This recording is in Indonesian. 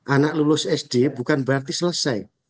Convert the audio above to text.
anak lulus sd bukan berarti selesai